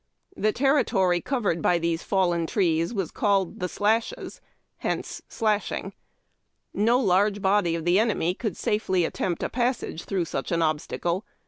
The territory covered by these fallen trees was called tJie Slashes., hence Slasliiny. No large body of the enemy could safely attempt a passage through such an obstacle.